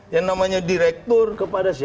yang namanya direktur pidana umum